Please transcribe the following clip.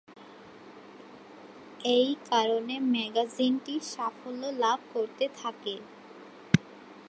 এই কারনে ম্যাগাজিনটি সাফল্য লাভ করতে থাকে।